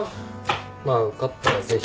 まあ受かったらぜひ。